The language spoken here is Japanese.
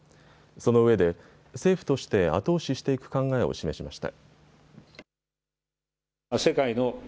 そのうえで政府として後押ししていく考えを示しました。